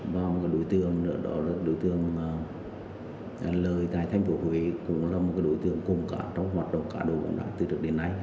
và một đối tượng lời tại thành phố huế cũng là một đối tượng công an trong hoạt động cả đồng đảng từ trước đến nay